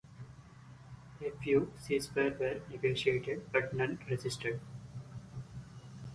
A few ceasefire were negotiated, but none resisted.